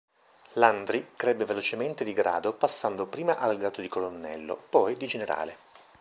Landry crebbe velocemente di grado passando prima al grado di Colonnello, poi di Generale.